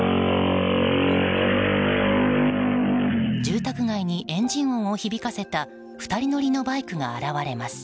住宅街にエンジン音を響かせた２人組のバイクが現れます。